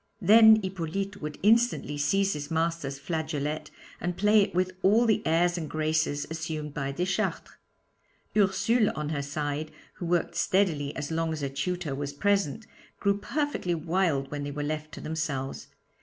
Then Hippolyte would instantly seize his master's flageolet and play it with all the airs and graces assumed by Deschartres. Ursule on her side, who worked steadily as long as her tutor was present, grew perfectly wild when they were left to themselves.